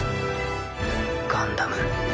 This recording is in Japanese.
ガンダム。